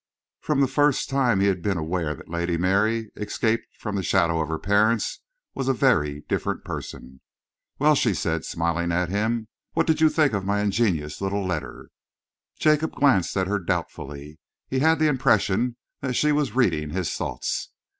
From the first he had been aware that Lady Mary, escaped from the shadow of her parents, was a very different person. "Well?" she asked, smiling at him, "what did you think of my ingenuous little letter?" Jacob glanced at her doubtfully. He had the impression that she was reading his thoughts.